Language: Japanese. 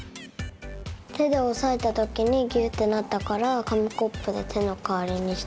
てでおさえたときにギュッてなったからかみコップでてのかわりにした。